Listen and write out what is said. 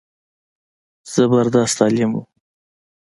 زبردست عالم و.